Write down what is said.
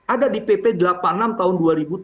ada di pp delapan puluh enam tahun dua ribu tujuh belas